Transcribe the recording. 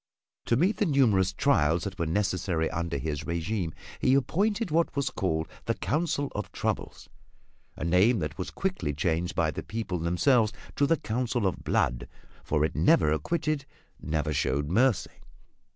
To meet the numerous trials that were necessary under his regime he appointed what was called the Council of Troubles a name that was quickly changed by the people themselves to the Council of Blood, for it never acquitted, never showed mercy.